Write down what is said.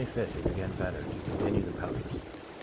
25th. — Is again better ; to continue the powders.